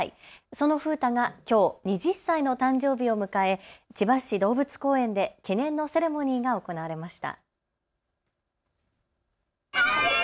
その風太がきょう２０歳の誕生日を迎え千葉市動物公園で記念のセレモニーが行われました。